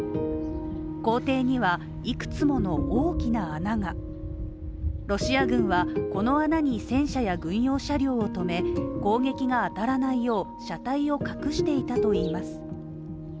校庭にはいくつもの大きな穴がロシア軍はこの穴に戦車や軍用車両を止め、攻撃が当たらないよう車体を隠していたといいます。